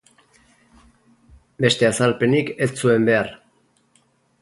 Beste azalpenik ez zuen behar.